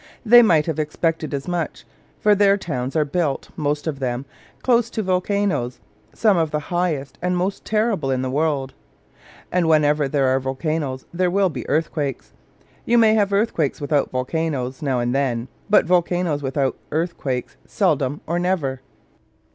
They might have expected as much. For their towns are built, most of them, close to volcanos some of the highest and most terrible in the world. And wherever there are volcanos there will be earthquakes. You may have earthquakes without volcanos, now and then; but volcanos without earthquakes, seldom or never.